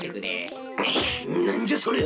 なんじゃそれは！